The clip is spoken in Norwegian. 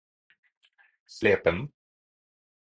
Slependen